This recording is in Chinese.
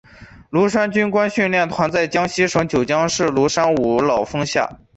庐山军官训练团在江西省九江市庐山五老峰下。